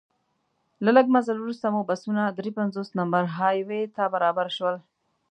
له لږ مزل وروسته مو بسونه درې پنځوس نمبر های وې ته برابر شول.